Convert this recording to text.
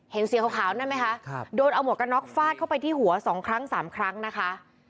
เห็นเสียขาวขาวนั่นไหมคะครับโดนเอาหมวกกระน็อกฟาดเข้าไปที่หัวสองครั้งสามครั้งนะคะ